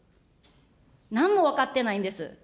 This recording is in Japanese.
なんも分かってないんです。